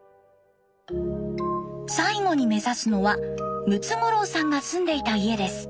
最後に目指すのはムツゴロウさんが住んでいた家です。